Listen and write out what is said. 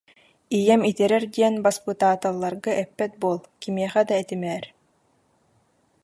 Ийэм итирэр диэн баспытааталларга эппэт буол, кимиэхэ да этимээр